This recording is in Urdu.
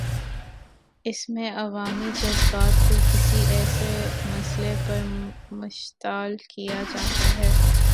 اس میں عوامی جذبات کو کسی ایسے مسئلے پر مشتعل کیا جاتا ہے۔